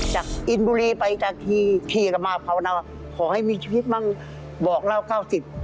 จากอินบุรีไปจากที่กระมาพเขานะวะขอให้มีชีพมั่งบอกเล่าเก้าสิบ